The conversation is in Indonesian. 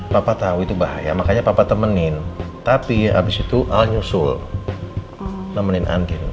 papa tau itu bahaya makanya papa temenin tapi abis itu al nyusul nemenin andien